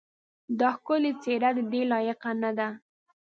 دا ښکلې څېره ددې لایقه نه ده.